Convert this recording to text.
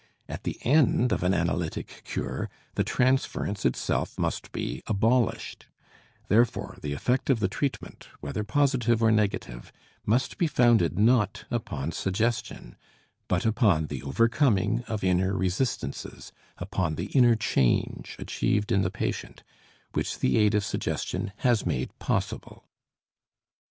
At the end of an analytic cure the transference itself must be abolished; therefore the effect of the treatment, whether positive or negative, must be founded not upon suggestion but upon the overcoming of inner resistances, upon the inner change achieved in the patient, which the aid of suggestion has made possible.